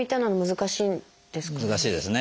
難しいですね。